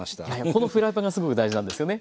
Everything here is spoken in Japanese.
このフライパンがすごく大事なんですよね。